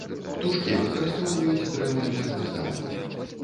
Птушкі выкарыстоўваюць дрэва для гнездавання.